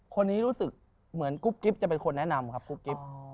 คนนี้รู้สึกเหมือนกุ๊บกิ๊บจะเป็นคนแนะนำครับกุ๊บกิ๊บ